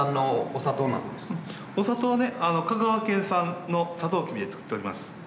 お砂糖は香川県産のサトウキビで作っております。